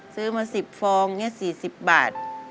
ซื้อมา๑๐ฟองเค้าคง๔๐บาท